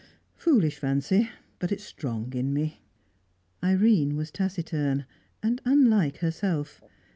Foolish fancy, but it's strong in me." Irene was taciturn, and unlike herself.